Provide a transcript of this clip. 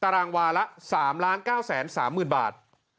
ตารางวาละ๓๙๓๐๐๐บาท